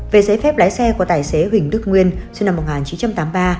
về giấy phép lái xe của tài xế huỳnh đức nguyên sinh năm một nghìn chín trăm tám mươi ba